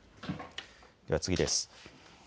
では次です。